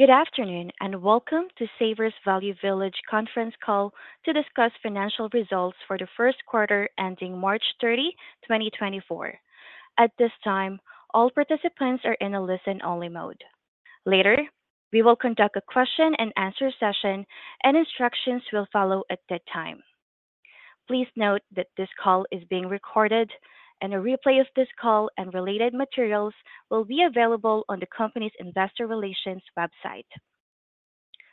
Good afternoon and welcome to Savers Value Village conference call to discuss financial results for the first quarter ending March 30, 2024. At this time, all participants are in a listen-only mode. Later, we will conduct a question-and-answer session, and instructions will follow at that time. Please note that this call is being recorded, and a replay of this call and related materials will be available on the company's investor relations website.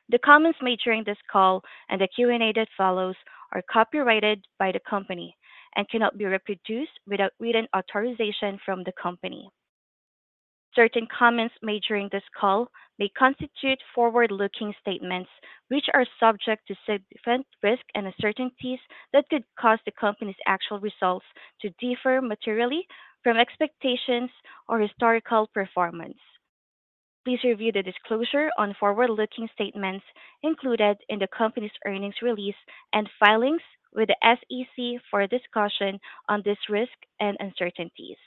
The comments made during this call and the Q&A that follows are copyrighted by the company and cannot be reproduced without written authorization from the company. Certain comments made during this call may constitute forward-looking statements which are subject to significant risk and uncertainties that could cause the company's actual results to differ materially from expectations or historical performance. Please review the disclosure on forward-looking statements included in the company's earnings release and filings with the SEC for discussion on this risk and uncertainties.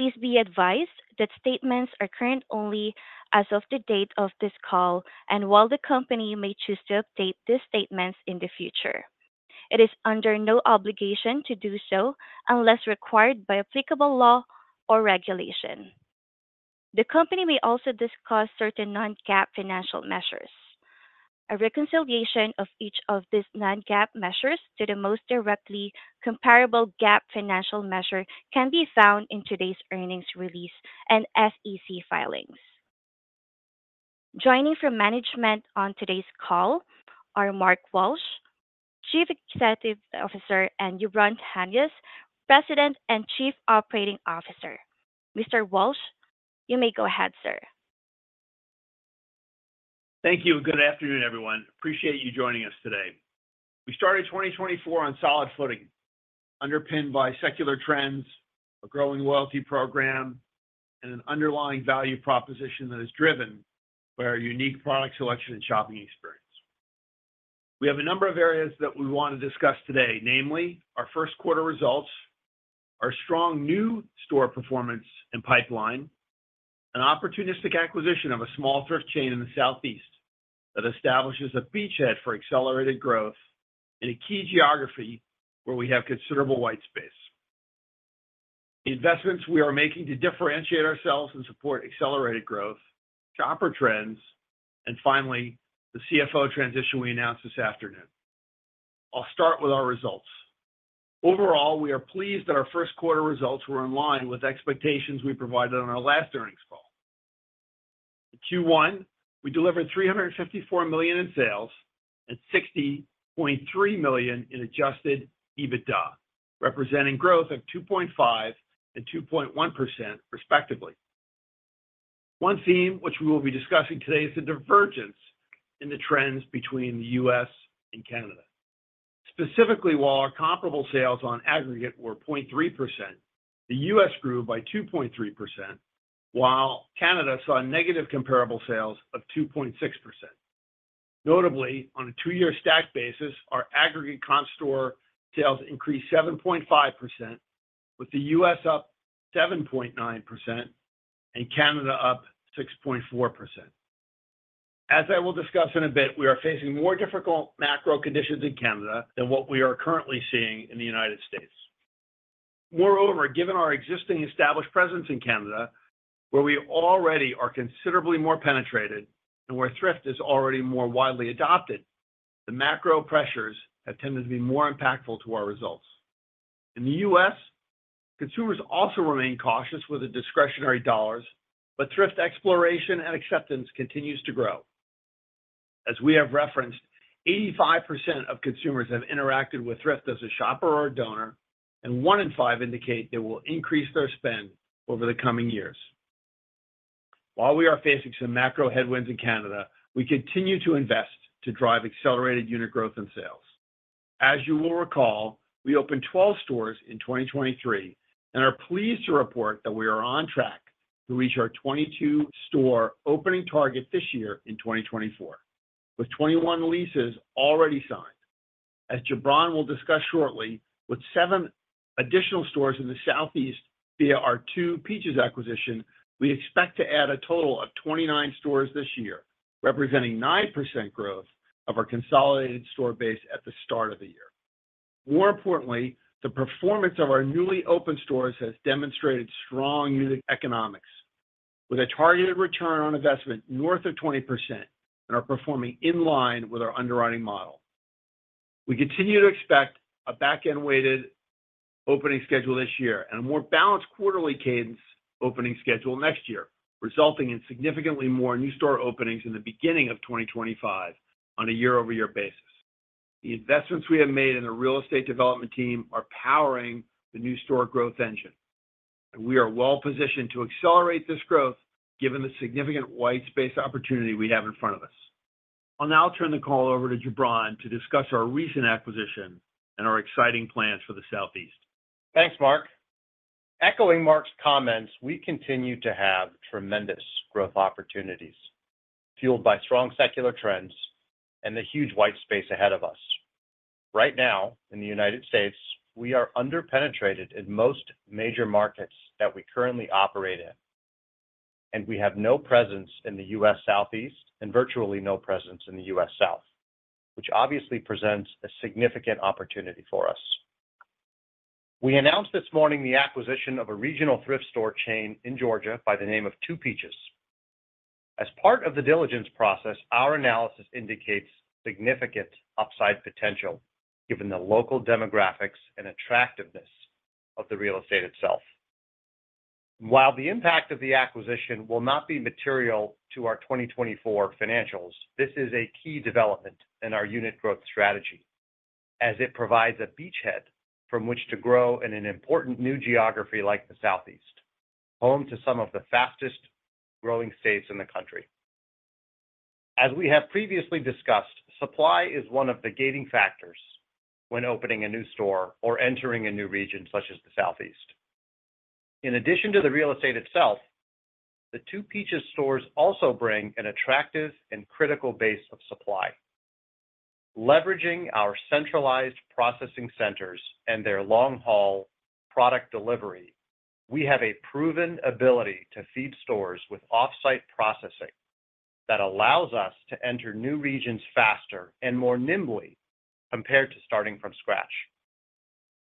Please be advised that statements are current only as of the date of this call, and while the company may choose to update these statements in the future, it is under no obligation to do so unless required by applicable law or regulation. The company may also discuss certain non-GAAP financial measures. A reconciliation of each of these non-GAAP measures to the most directly comparable GAAP financial measure can be found in today's earnings release and SEC filings. Joining from management on today's call are Mark Walsh, Chief Executive Officer, and Jubran Tanious, President and Chief Operating Officer. Mr. Walsh, you may go ahead, sir. Thank you. Good afternoon, everyone. Appreciate you joining us today. We started 2024 on solid footing, underpinned by secular trends, a growing loyalty program, and an underlying value proposition that is driven by our unique product selection and shopping experience. We have a number of areas that we want to discuss today, namely our first quarter results, our strong new store performance and pipeline, and opportunistic acquisition of a small thrift chain in the Southeast that establishes a beachhead for accelerated growth in a key geography where we have considerable white space. The investments we are making to differentiate ourselves and support accelerated growth, shopper trends, and finally the CFO transition we announced this afternoon. I'll start with our results. Overall, we are pleased that our first quarter results were in line with expectations we provided on our last earnings call. In Q1, we delivered $354 million in sales and $60.3 million in adjusted EBITDA, representing growth of 2.5% and 2.1%, respectively. One theme which we will be discussing today is the divergence in the trends between the U.S. and Canada. Specifically, while our comparable sales on aggregate were 0.3%, the U.S. grew by 2.3%, while Canada saw negative comparable sales of 2.6%. Notably, on a two-year stack basis, our aggregate comp store sales increased 7.5%, with the U.S. up 7.9% and Canada up 6.4%. As I will discuss in a bit, we are facing more difficult macro conditions in Canada than what we are currently seeing in the United States. Moreover, given our existing established presence in Canada, where we already are considerably more penetrated and where thrift is already more widely adopted, the macro pressures have tended to be more impactful to our results. In the U.S., consumers also remain cautious with their discretionary dollars, but thrift exploration and acceptance continues to grow. As we have referenced, 85% of consumers have interacted with thrift as a shopper or donor, and 1 in 5 indicate they will increase their spend over the coming years. While we are facing some macro headwinds in Canada, we continue to invest to drive accelerated unit growth and sales. As you will recall, we opened 12 stores in 2023 and are pleased to report that we are on track to reach our 22-store opening target this year in 2024, with 21 leases already signed. As Jubran will discuss shortly, with 7 additional stores in the Southeast via our Two Peaches acquisition, we expect to add a total of 29 stores this year, representing 9% growth of our consolidated store base at the start of the year. More importantly, the performance of our newly opened stores has demonstrated strong unit economics, with a targeted return on investment north of 20% and are performing in line with our underwriting model. We continue to expect a backend-weighted opening schedule this year and a more balanced quarterly cadence opening schedule next year, resulting in significantly more new store openings in the beginning of 2025 on a year-over-year basis. The investments we have made in the real estate development team are powering the new store growth engine, and we are well positioned to accelerate this growth given the significant white space opportunity we have in front of us. I'll now turn the call over to Jubran to discuss our recent acquisition and our exciting plans for the Southeast. Thanks, Mark. Echoing Mark's comments, we continue to have tremendous growth opportunities fueled by strong secular trends and the huge white space ahead of us. Right now in the United States, we are underpenetrated in most major markets that we currently operate in, and we have no presence in the U.S. Southeast and virtually no presence in the U.S. South, which obviously presents a significant opportunity for us. We announced this morning the acquisition of a regional thrift store chain in Georgia by the name of 2 Peaches. As part of the diligence process, our analysis indicates significant upside potential given the local demographics and attractiveness of the real estate itself. While the impact of the acquisition will not be material to our 2024 financials, this is a key development in our unit growth strategy as it provides a beachhead from which to grow in an important new geography like the Southeast, home to some of the fastest-growing states in the country. As we have previously discussed, supply is one of the gating factors when opening a new store or entering a new region such as the Southeast. In addition to the real estate itself, the 2 Peaches stores also bring an attractive and critical base of supply. Leveraging our centralized processing centers and their long-haul product delivery, we have a proven ability to feed stores with offsite processing that allows us to enter new regions faster and more nimbly compared to starting from scratch.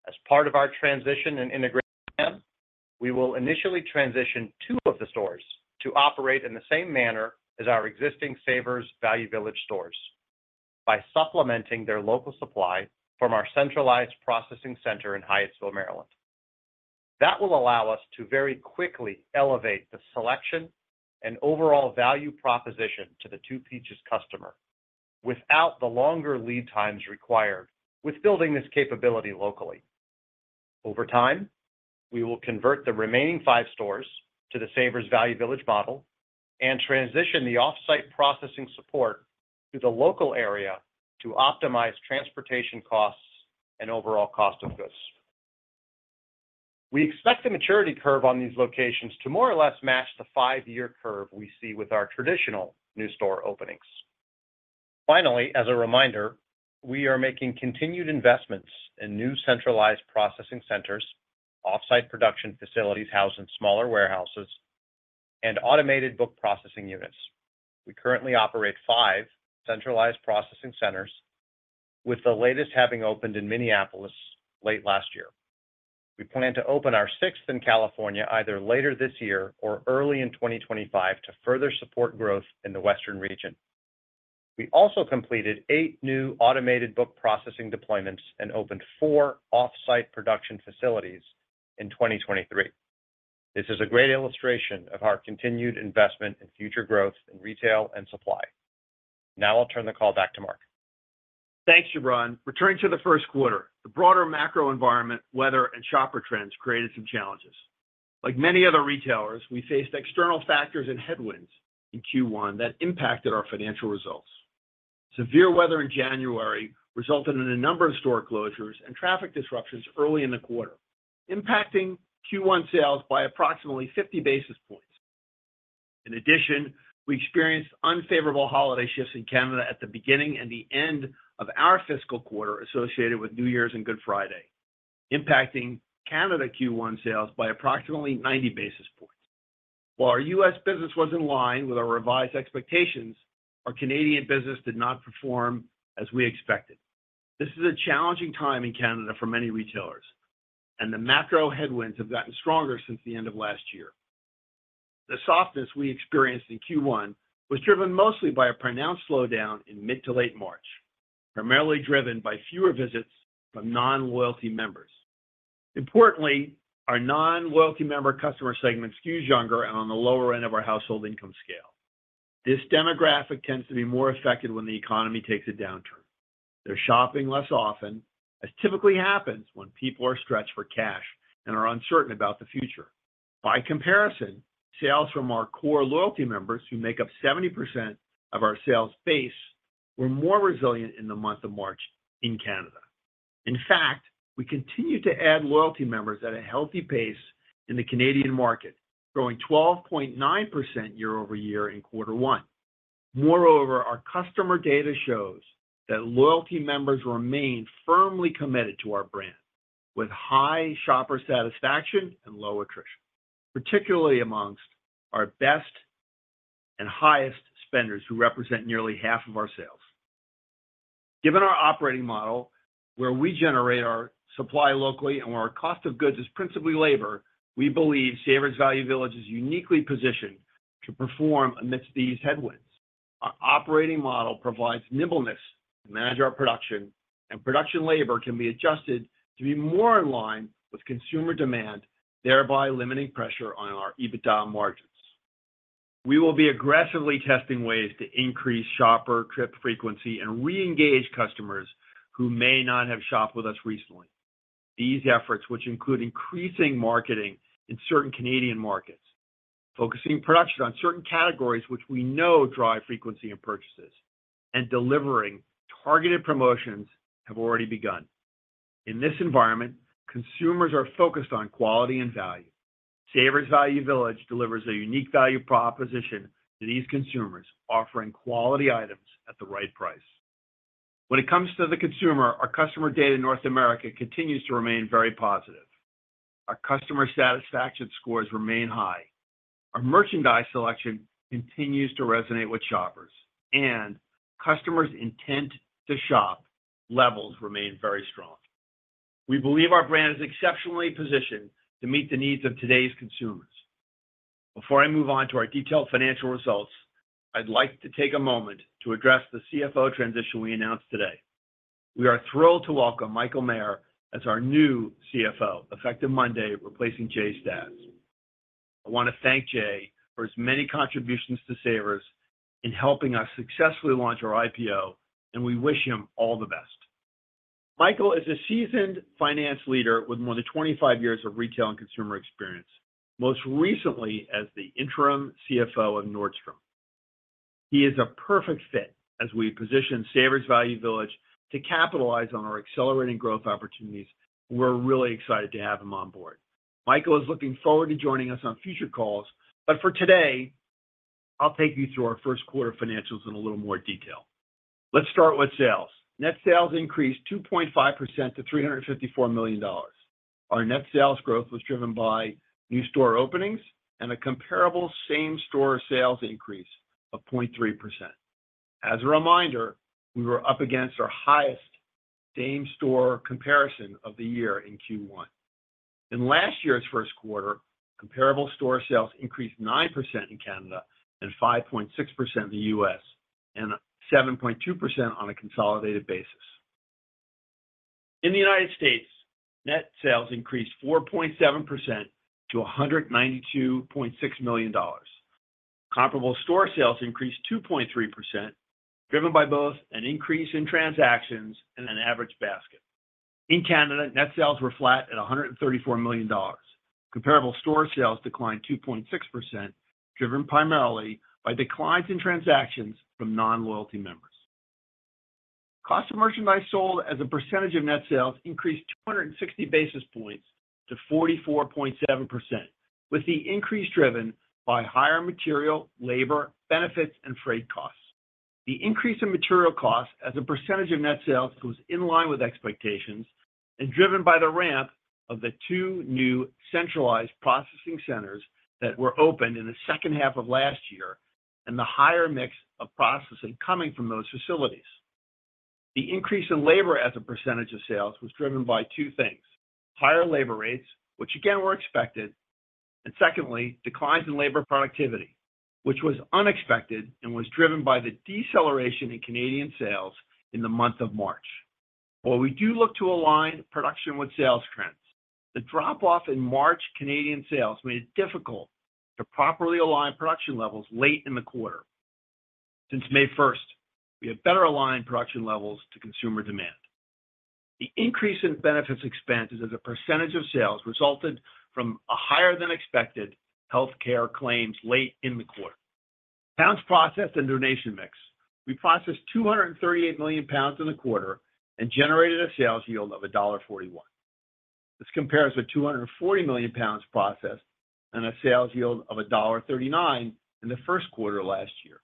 As part of our transition and integration, we will initially transition two of the stores to operate in the same manner as our existing Savers Value Village stores by supplementing their local supply from our centralized processing center in Hyattsville, Maryland. That will allow us to very quickly elevate the selection and overall value proposition to the 2 Peaches customer without the longer lead times required with building this capability locally. Over time, we will convert the remaining five stores to the Savers Value Village model and transition the offsite processing support to the local area to optimize transportation costs and overall cost of goods. We expect the maturity curve on these locations to more or less match the five-year curve we see with our traditional new store openings. Finally, as a reminder, we are making continued investments in new centralized processing centers, off-site production facilities housed in smaller warehouses, and automated book processing units. We currently operate five centralized processing centers, with the latest having opened in Minneapolis late last year. We plan to open our sixth in California either later this year or early in 2025 to further support growth in the Western region. We also completed eight new automated book processing deployments and opened four off-site production facilities in 2023. This is a great illustration of our continued investment in future growth in retail and supply. Now I'll turn the call back to Mark. Thanks, Jubran. Returning to the first quarter, the broader macro environment, weather, and shopper trends created some challenges. Like many other retailers, we faced external factors and headwinds in Q1 that impacted our financial results. Severe weather in January resulted in a number of store closures and traffic disruptions early in the quarter, impacting Q1 sales by approximately 50 basis points. In addition, we experienced unfavorable holiday shifts in Canada at the beginning and the end of our fiscal quarter associated with New Year's and Good Friday, impacting Canada Q1 sales by approximately 90 basis points. While our U.S. business was in line with our revised expectations, our Canadian business did not perform as we expected. This is a challenging time in Canada for many retailers, and the macro headwinds have gotten stronger since the end of last year. The softness we experienced in Q1 was driven mostly by a pronounced slowdown in mid to late March, primarily driven by fewer visits from non-loyalty members. Importantly, our non-loyalty member customer segment skews younger and on the lower end of our household income scale. This demographic tends to be more affected when the economy takes a downturn. They're shopping less often, as typically happens when people are stretched for cash and are uncertain about the future. By comparison, sales from our core loyalty members, who make up 70% of our sales base, were more resilient in the month of March in Canada. In fact, we continue to add loyalty members at a healthy pace in the Canadian market, growing 12.9% year-over-year in quarter one. Moreover, our customer data shows that loyalty members remain firmly committed to our brand with high shopper satisfaction and low attrition, particularly among our best and highest spenders who represent nearly half of our sales. Given our operating model, where we generate our supply locally and where our cost of goods is principally labor, we believe Savers Value Village is uniquely positioned to perform amidst these headwinds. Our operating model provides nimbleness to manage our production, and production labor can be adjusted to be more in line with consumer demand, thereby limiting pressure on our EBITDA margins. We will be aggressively testing ways to increase shopper trip frequency and reengage customers who may not have shopped with us recently. These efforts, which include increasing marketing in certain Canadian markets, focusing production on certain categories which we know drive frequency and purchases, and delivering targeted promotions, have already begun. In this environment, consumers are focused on quality and value. Savers Value Village delivers a unique value proposition to these consumers, offering quality items at the right price. When it comes to the consumer, our customer data in North America continues to remain very positive. Our customer satisfaction scores remain high. Our merchandise selection continues to resonate with shoppers, and customers' intent to shop levels remain very strong. We believe our brand is exceptionally positioned to meet the needs of today's consumers. Before I move on to our detailed financial results, I'd like to take a moment to address the CFO transition we announced today. We are thrilled to welcome Michael Maher as our new CFO, effective Monday, replacing Jay Stasz. I want to thank Jay for his many contributions to Savers in helping us successfully launch our IPO, and we wish him all the best. Michael is a seasoned finance leader with more than 25 years of retail and consumer experience, most recently as the interim CFO of Nordstrom. He is a perfect fit as we position Savers Value Village to capitalize on our accelerating growth opportunities, and we're really excited to have him on board. Michael is looking forward to joining us on future calls, but for today, I'll take you through our first quarter financials in a little more detail. Let's start with sales. Net sales increased 2.5% to $354 million. Our net sales growth was driven by new store openings and a comparable same-store sales increase of 0.3%. As a reminder, we were up against our highest same-store comparison of the year in Q1. In last year's first quarter, comparable store sales increased 9% in Canada and 5.6% in the U.S., and 7.2% on a consolidated basis. In the United States, net sales increased 4.7% to $192.6 million. Comparable store sales increased 2.3%, driven by both an increase in transactions and an average basket. In Canada, net sales were flat at $134 million. Comparable store sales declined 2.6%, driven primarily by declines in transactions from non-loyalty members. Cost of merchandise sold as a percentage of net sales increased 260 basis points to 44.7%, with the increase driven by higher material, labor, benefits, and freight costs. The increase in material costs as a percentage of net sales was in line with expectations and driven by the ramp of the two new centralized processing centers that were opened in the second half of last year and the higher mix of processing coming from those facilities. The increase in labor as a percentage of sales was driven by two things: higher labor rates, which again were expected, and secondly, declines in labor productivity, which was unexpected and was driven by the deceleration in Canadian sales in the month of March. While we do look to align production with sales trends, the drop-off in March Canadian sales made it difficult to properly align production levels late in the quarter. Since May 1st, we have better aligned production levels to consumer demand. The increase in benefits expenses as a percentage of sales resulted from a higher-than-expected healthcare claims late in the quarter. Pounds processed and donation mix, we processed 238 million pounds in the quarter and generated a sales yield of $1.41. This compares with 240 million pounds processed and a sales yield of $1.39 in the first quarter last year.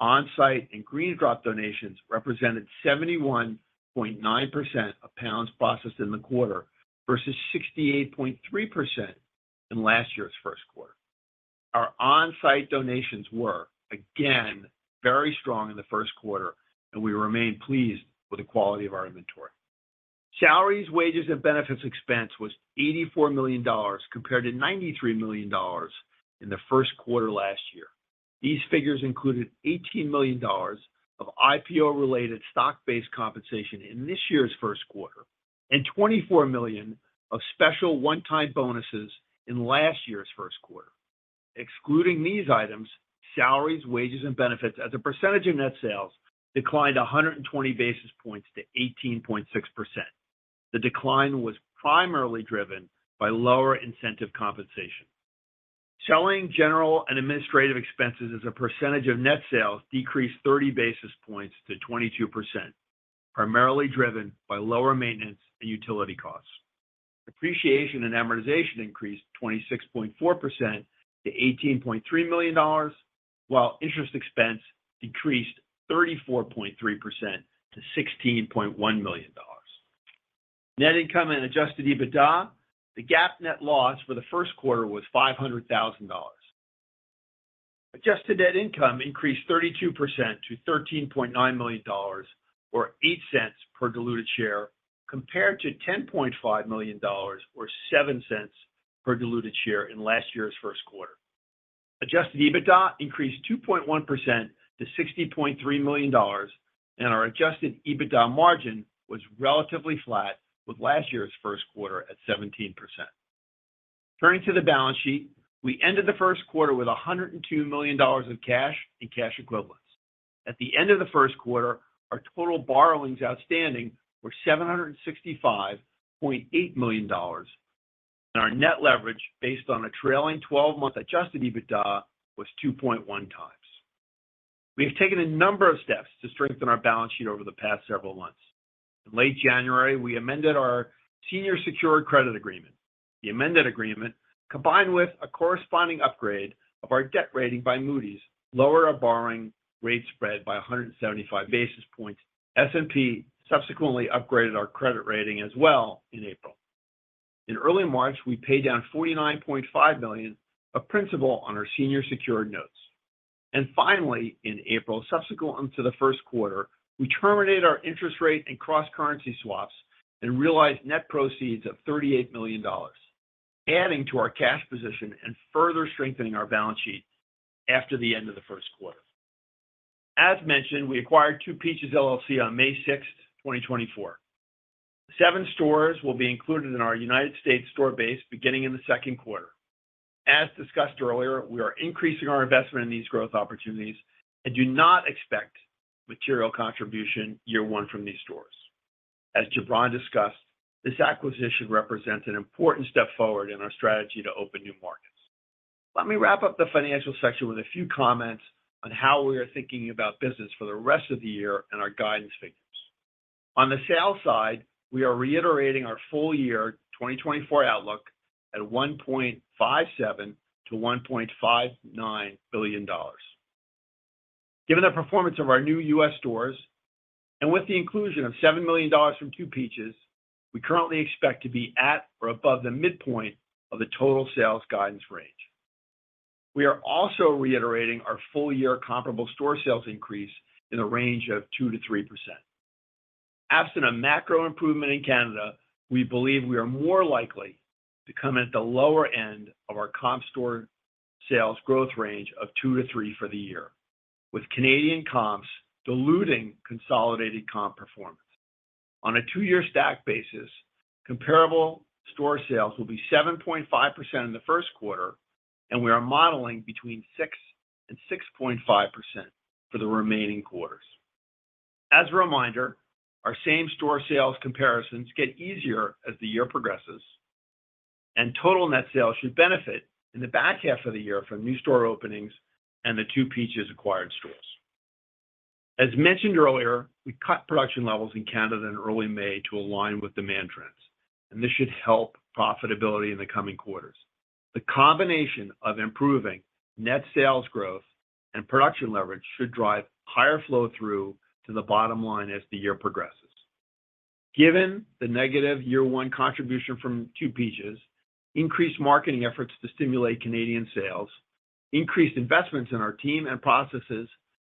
On-site and GreenDrop donations represented 71.9% of pounds processed in the quarter versus 68.3% in last year's first quarter. Our on-site donations were, again, very strong in the first quarter, and we remain pleased with the quality of our inventory. Salaries, wages, and benefits expense was $84 million compared to $93 million in the first quarter last year. These figures included $18 million of IPO-related stock-based compensation in this year's first quarter and $24 million of special one-time bonuses in last year's first quarter. Excluding these items, salaries, wages, and benefits as a percentage of net sales declined 120 basis points to 18.6%. The decline was primarily driven by lower incentive compensation. Selling general and administrative expenses as a percentage of net sales decreased 30 basis points to 22%, primarily driven by lower maintenance and utility costs. Depreciation and amortization increased 26.4% to $18.3 million, while interest expense decreased 34.3% to $16.1 million. Net income and adjusted EBITDA, the GAAP net loss for the first quarter was $500,000. Adjusted net income increased 32% to $13.9 million or $0.08 per diluted share compared to $10.5 million or $0.07 per diluted share in last year's first quarter. Adjusted EBITDA increased 2.1% to $60.3 million, and our adjusted EBITDA margin was relatively flat with last year's first quarter at 17%. Turning to the balance sheet, we ended the first quarter with $102 million in cash equivalents. At the end of the first quarter, our total borrowings outstanding were $765.8 million, and our net leverage based on a trailing 12-month adjusted EBITDA was 2.1 times. We have taken a number of steps to strengthen our balance sheet over the past several months. In late January, we amended our senior secured credit agreement. The amended agreement, combined with a corresponding upgrade of our debt rating by Moody's, lowered our borrowing rate spread by 175 basis points. S&P subsequently upgraded our credit rating as well in April. In early March, we paid down $49.5 million of principal on our senior secured notes. Finally, in April, subsequent to the first quarter, we terminated our interest rate and cross-currency swaps and realized net proceeds of $38 million, adding to our cash position and further strengthening our balance sheet after the end of the first quarter. As mentioned, we acquired Two Peaches LLC on May 6th, 2024. Seven stores will be included in our United States store base beginning in the second quarter. As discussed earlier, we are increasing our investment in these growth opportunities and do not expect material contribution year one from these stores. As Jubran discussed, this acquisition represents an important step forward in our strategy to open new markets. Let me wrap up the financial section with a few comments on how we are thinking about business for the rest of the year and our guidance figures. On the sales side, we are reiterating our full year 2024 outlook at $1.57-$1.59 billion. Given the performance of our new U.S. stores and with the inclusion of $7 million from Two Peaches, we currently expect to be at or above the midpoint of the total sales guidance range. We are also reiterating our full year comparable store sales increase in the range of 2%-3%. Absent a macro improvement in Canada, we believe we are more likely to come at the lower end of our comp store sales growth range of 2%-3% for the year, with Canadian comps diluting consolidated comp performance. On a two-year stack basis, comparable store sales will be 7.5% in the first quarter, and we are modeling between 6%-6.5% for the remaining quarters. As a reminder, our same-store sales comparisons get easier as the year progresses, and total net sales should benefit in the back half of the year from new store openings and the 2 Peaches acquired stores. As mentioned earlier, we cut production levels in Canada in early May to align with demand trends, and this should help profitability in the coming quarters. The combination of improving net sales growth and production leverage should drive higher flow-through to the bottom line as the year progresses. Given the negative year one contribution from 2 Peaches, increased marketing efforts to stimulate Canadian sales, increased investments in our team and processes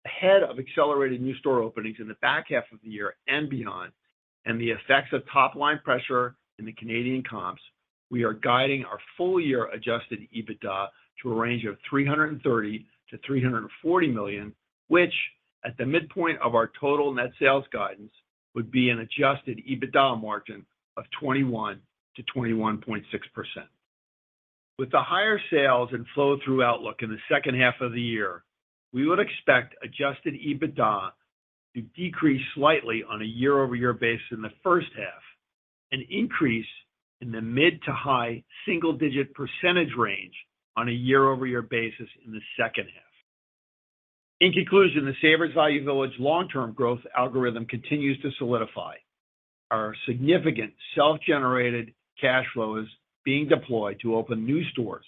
ahead of accelerated new store openings in the back half of the year and beyond, and the effects of top-line pressure in the Canadian comps, we are guiding our full year Adjusted EBITDA to a range of $330 million-$340 million, which at the midpoint of our total net sales guidance would be an Adjusted EBITDA margin of 21%-21.6%. With the higher sales and flow-through outlook in the second half of the year, we would expect Adjusted EBITDA to decrease slightly on a year-over-year basis in the first half and increase in the mid to high single-digit percentage range on a year-over-year basis in the second half. In conclusion, the Savers Value Village long-term growth algorithm continues to solidify. Our significant self-generated cash flow is being deployed to open new stores,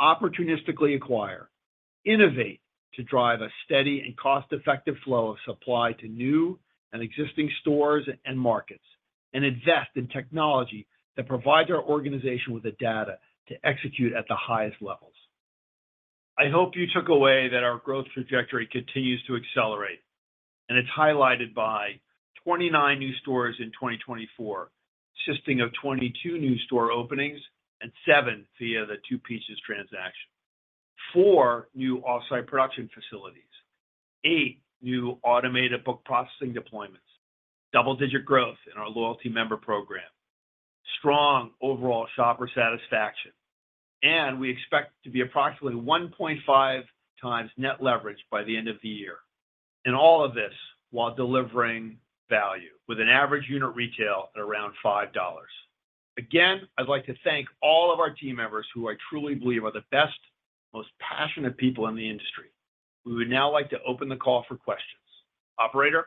opportunistically acquire, innovate to drive a steady and cost-effective flow of supply to new and existing stores and markets, and invest in technology that provides our organization with the data to execute at the highest levels. I hope you took away that our growth trajectory continues to accelerate, and it's highlighted by 29 new stores in 2024 consisting of 22 new store openings and 7 via the Two Peaches transaction, 4 new offsite production facilities, 8 new automated book processing deployments, double-digit growth in our loyalty member program, strong overall shopper satisfaction, and we expect to be approximately 1.5 times net leverage by the end of the year. And all of this while delivering value with an average unit retail at around $5. Again, I'd like to thank all of our team members who I truly believe are the best, most passionate people in the industry. We would now like to open the call for questions. Operator?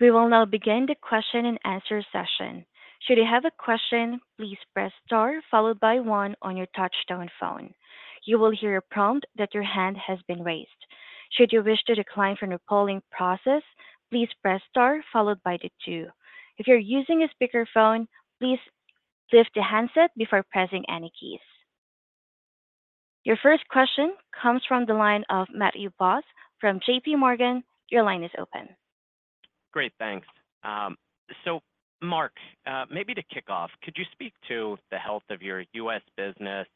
We will now begin the question-and-answer session. Should you have a question, please press star followed by one on your touch-tone phone. You will hear a prompt that your hand has been raised. Should you wish to decline from the polling process, please press star followed by the two. If you're using a speakerphone, please lift the handset before pressing any keys. Your first question comes from the line of Matthew Boss from JP Morgan. Your line is open. Great, thanks. So Mark, maybe to kick off, could you speak to the health of your U.S. business,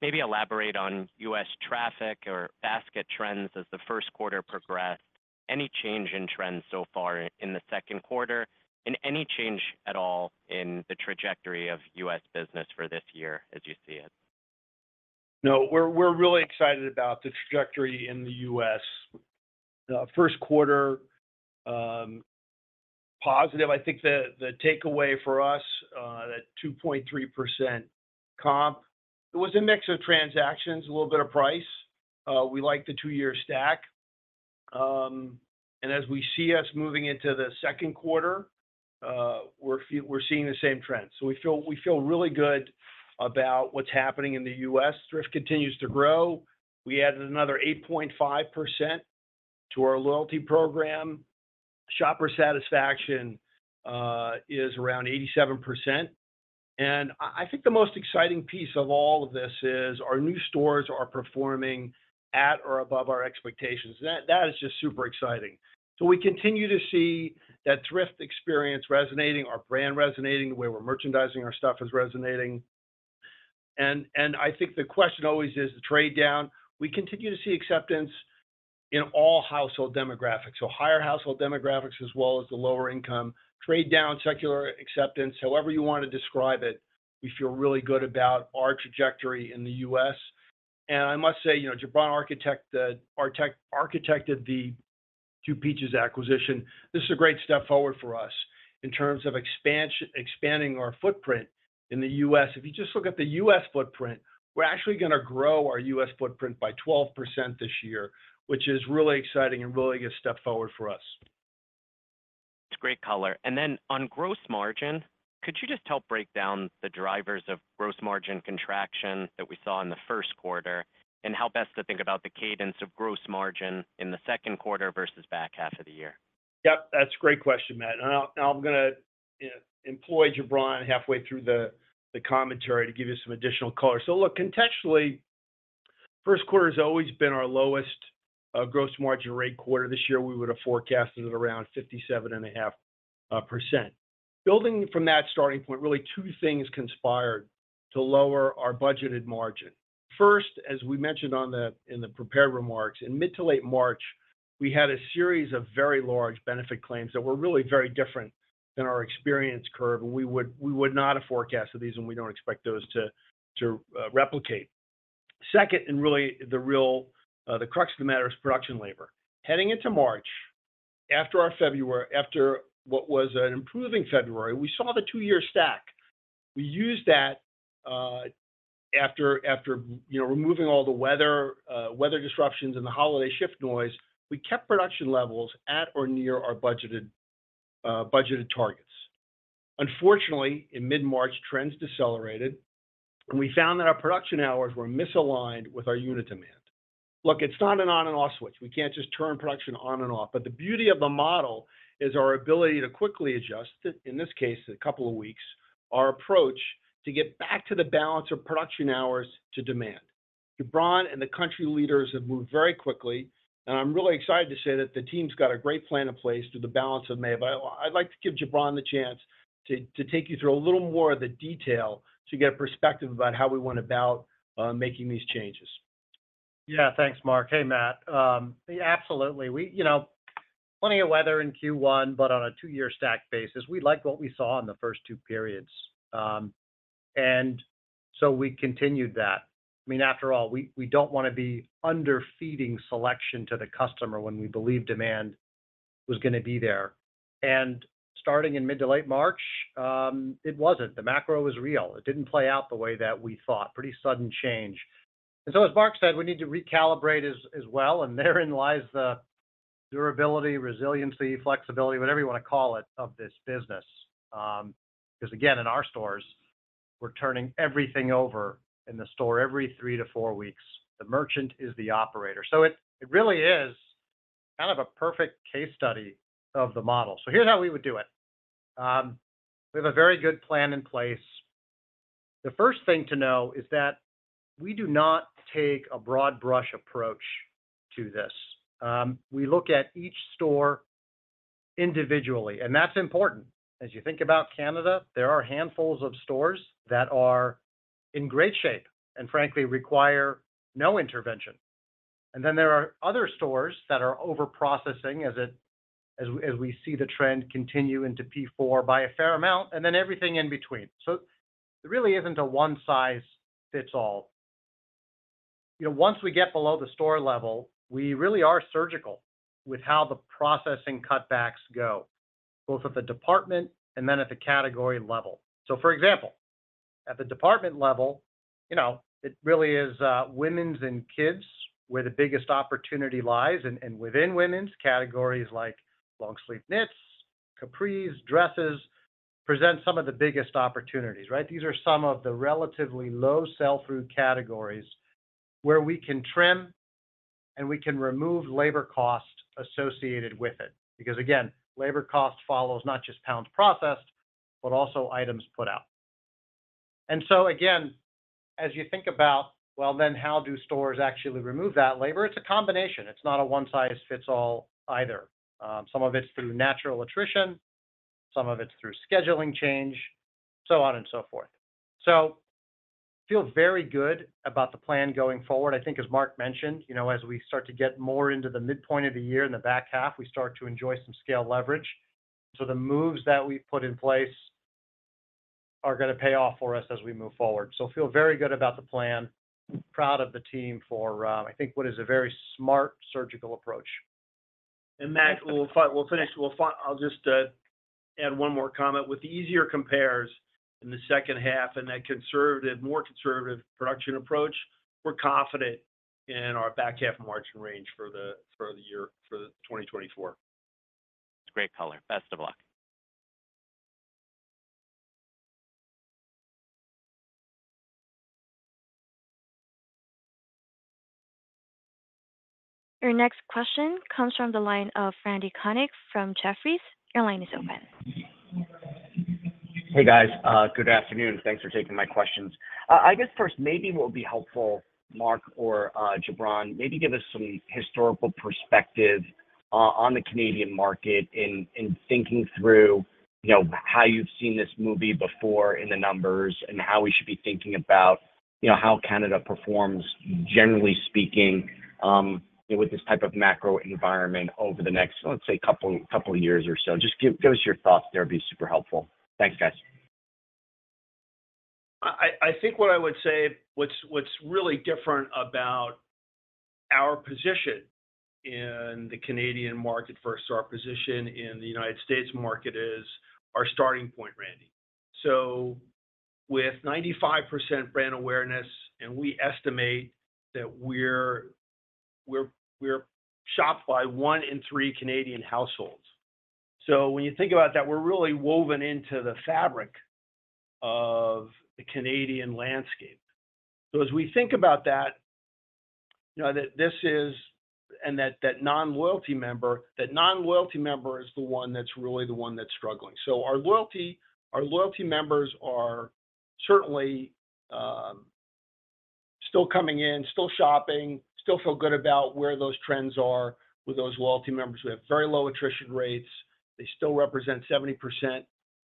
maybe elaborate on U.S. traffic or basket trends as the first quarter progressed, any change in trends so far in the second quarter, and any change at all in the trajectory of U.S. business for this year as you see it? No, we're really excited about the trajectory in the U.S. First quarter positive. I think the takeaway for us, that 2.3% comp, it was a mix of transactions, a little bit of price. We like the two-year stack. And as we see us moving into the second quarter, we're seeing the same trend. So we feel really good about what's happening in the U.S. Thrift continues to grow. We added another 8.5% to our loyalty program. Shopper satisfaction is around 87%. And I think the most exciting piece of all of this is our new stores are performing at or above our expectations. That is just super exciting. So we continue to see that thrift experience resonating, our brand resonating, the way we're merchandising our stuff is resonating. And I think the question always is the trade down. We continue to see acceptance in all household demographics, so higher household demographics as well as the lower income. Trade down, secular acceptance, however you want to describe it, we feel really good about our trajectory in the U.S.. I must say, Jubran architected the Two Peaches acquisition. This is a great step forward for us in terms of expanding our footprint in the U.S.. If you just look at the U.S. footprint, we're actually going to grow our U.S. footprint by 12% this year, which is really exciting and really a step forward for us. It's great color. And then on gross margin, could you just help break down the drivers of gross margin contraction that we saw in the first quarter and how best to think about the cadence of gross margin in the second quarter versus back half of the year? Yep, that's a great question, Matt. And I'm going to employ Jubran halfway through the commentary to give you some additional color. So look, contextually, first quarter has always been our lowest gross margin rate quarter. This year, we would have forecasted it around 57.5%. Building from that starting point, really two things conspired to lower our budgeted margin. First, as we mentioned in the prepared remarks, in mid to late March, we had a series of very large benefit claims that were really very different than our experience curve, and we would not have forecasted these and we don't expect those to replicate. Second, and really the crux of the matter is production labor. Heading into March, after our February, after what was an improving February, we saw the two-year stack. We used that after removing all the weather disruptions and the holiday shift noise, we kept production levels at or near our budgeted targets. Unfortunately, in mid-March, trends decelerated, and we found that our production hours were misaligned with our unit demand. Look, it's not an on and off switch. We can't just turn production on and off. But the beauty of the model is our ability to quickly adjust, in this case, a couple of weeks, our approach to get back to the balance of production hours to demand. Jubran and the country leaders have moved very quickly, and I'm really excited to say that the team's got a great plan in place through the balance of May. But I'd like to give Jubran the chance to take you through a little more of the detail so you get a perspective about how we went about making these changes. Yeah, thanks, Mark. Hey, Matt. Absolutely. Plenty of weather in Q1, but on a two-year stack basis, we liked what we saw in the first two periods. And so we continued that. I mean, after all, we don't want to be underfeeding selection to the customer when we believe demand was going to be there. And starting in mid to late March, it wasn't. The macro was real. It didn't play out the way that we thought. Pretty sudden change. And so as Mark said, we need to recalibrate as well. And therein lies the durability, resiliency, flexibility, whatever you want to call it, of this business. Because again, in our stores, we're turning everything over in the store every three to four weeks. The merchant is the operator. So it really is kind of a perfect case study of the model. So here's how we would do it. We have a very good plan in place. The first thing to know is that we do not take a broad brush approach to this. We look at each store individually. That's important. As you think about Canada, there are handfuls of stores that are in great shape and frankly require no intervention. Then there are other stores that are overprocessing as we see the trend continue into Q4 by a fair amount and then everything in between. There really isn't a one-size-fits-all. Once we get below the store level, we really are surgical with how the processing cutbacks go, both at the department and then at the category level. For example, at the department level, it really is women's and kids where the biggest opportunity lies. Within women's categories like long-sleeve knits, capris, dresses present some of the biggest opportunities, right? These are some of the relatively low sell-through categories where we can trim and we can remove labor cost associated with it. Because again, labor cost follows not just pounds processed but also items put out. And so again, as you think about, well, then how do stores actually remove that labor? It's a combination. It's not a one-size-fits-all either. Some of it's through natural attrition, some of it's through scheduling change, so on and so forth. So I feel very good about the plan going forward. I think, as Mark mentioned, as we start to get more into the midpoint of the year and the back half, we start to enjoy some scale leverage. So the moves that we put in place are going to pay off for us as we move forward. I feel very good about the plan, proud of the team for, I think, what is a very smart surgical approach. Matt, we'll finish. I'll just add one more comment. With the easier compares in the second half and that more conservative production approach, we're confident in our back half margin range for the year for 2024. It's great color. Best of luck. Your next question comes from the line of Randy Konik from Jefferies. Your line is open. Hey, guys. Good afternoon. Thanks for taking my questions. I guess first, maybe what would be helpful, Mark or Jubran, maybe give us some historical perspective on the Canadian market in thinking through how you've seen this movie before in the numbers and how we should be thinking about how Canada performs, generally speaking, with this type of macro environment over the next, let's say, couple of years or so. Just give us your thoughts. That would be super helpful. Thanks, guys. I think what I would say is what's really different about our position in the Canadian market. First, our position in the United States market is our starting point, Randy. So with 95% brand awareness, and we estimate that we're shopped by one in three Canadian households. So when you think about that, we're really woven into the fabric of the Canadian landscape. So as we think about that, this is, and that non-loyalty member is the one that's really struggling. So our loyalty members are certainly still coming in, still shopping, still feel good about where those trends are with those loyalty members. We have very low attrition rates. They still represent 70%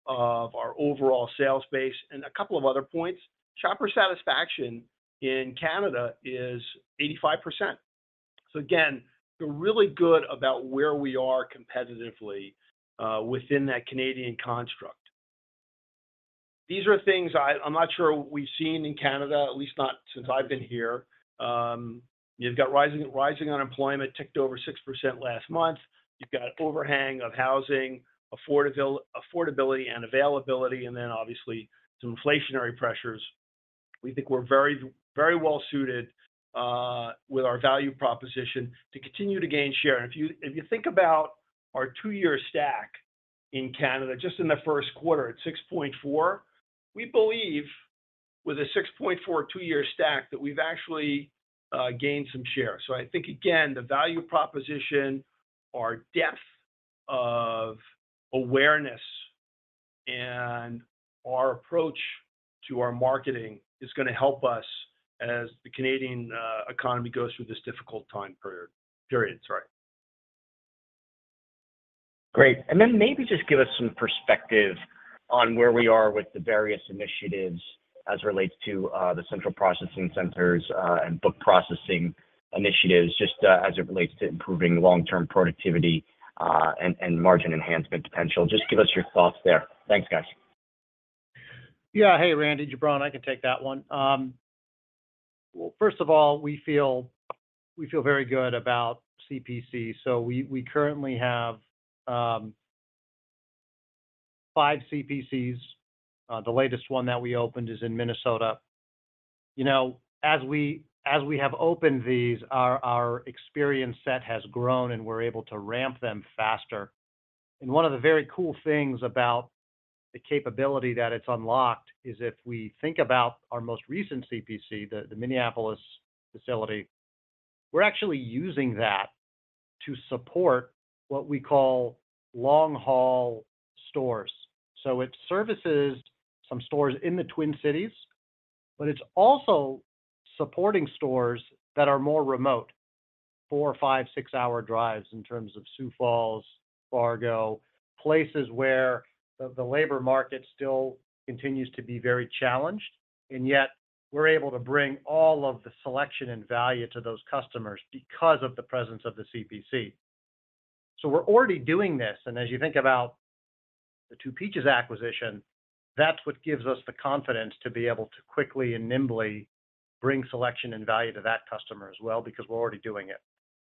of our overall sales base. And a couple of other points, shopper satisfaction in Canada is 85%. So again, we're really good about where we are competitively within that Canadian construct. These are things I'm not sure we've seen in Canada, at least not since I've been here. You've got rising unemployment ticked over 6% last month. You've got overhang of housing, affordability and availability, and then obviously some inflationary pressures. We think we're very well-suited with our value proposition to continue to gain share. And if you think about our two-year stack in Canada, just in the first quarter, at 6.4, we believe with a 6.4 two-year stack that we've actually gained some share. So I think, again, the value proposition, our depth of awareness, and our approach to our marketing is going to help us as the Canadian economy goes through this difficult time period. Sorry. Great. And then maybe just give us some perspective on where we are with the various initiatives as it relates to the central processing centers and book processing initiatives, just as it relates to improving long-term productivity and margin enhancement potential. Just give us your thoughts there. Thanks, guys. Yeah. Hey, Randy, Jubran, I can take that one. Well, first of all, we feel very good about CPC. So we currently have five CPCs. The latest one that we opened is in Minnesota. As we have opened these, our experience set has grown and we're able to ramp them faster. And one of the very cool things about the capability that it's unlocked is if we think about our most recent CPC, the Minneapolis facility, we're actually using that to support what we call long-haul stores. So it services some stores in the Twin Cities, but it's also supporting stores that are more remote, four-, five-, six-hour drives in terms of Sioux Falls, Fargo, places where the labor market still continues to be very challenged. And yet we're able to bring all of the selection and value to those customers because of the presence of the CPC. So we're already doing this. And as you think about the Two Peaches acquisition, that's what gives us the confidence to be able to quickly and nimbly bring selection and value to that customer as well because we're already doing it.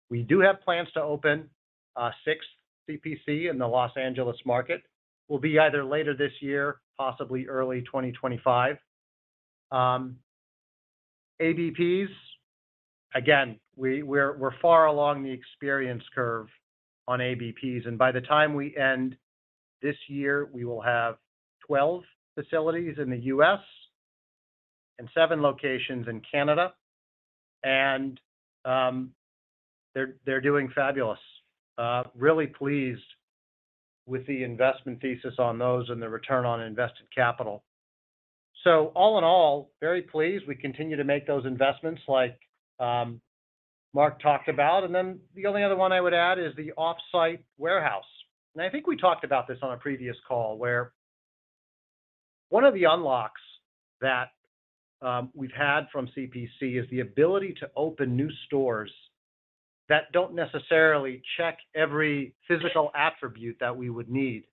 We do have plans to open a sixth CPC in the Los Angeles market. We'll be either later this year, possibly early 2025. ABPs, again, we're far along the experience curve on ABPs. And by the time we end this year, we will have 12 facilities in the U.S. and 7 locations in Canada. And they're doing fabulous. Really pleased with the investment thesis on those and the return on invested capital. So all in all, very pleased. We continue to make those investments like Mark talked about. And then the only other one I would add is the off-site warehouse. I think we talked about this on a previous call where one of the unlocks that we've had from CPC is the ability to open new stores that don't necessarily check every physical attribute that we would need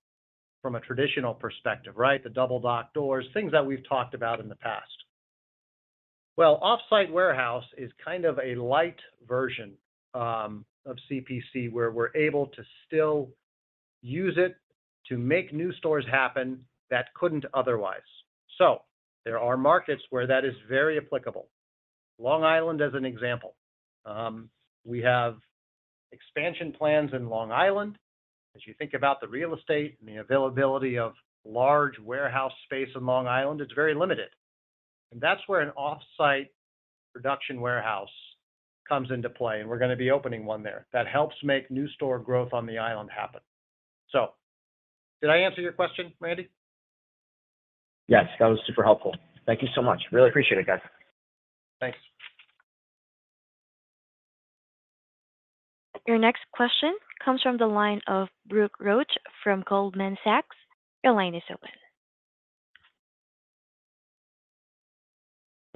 from a traditional perspective, right? The double-dock doors, things that we've talked about in the past. Well, off-site warehouse is kind of a light version of CPC where we're able to still use it to make new stores happen that couldn't otherwise. There are markets where that is very applicable. Long Island as an example. We have expansion plans in Long Island. As you think about the real estate and the availability of large warehouse space in Long Island, it's very limited. That's where an off-site production warehouse comes into play. We're going to be opening one there. That helps make new store growth on the island happen. So did I answer your question, Randy? Yes. That was super helpful. Thank you so much. Really appreciate it, guys. Thanks. Your next question comes from the line of Brooke Roach from Goldman Sachs. Your line is open.